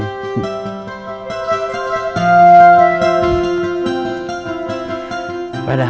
padahal dulu akang kamu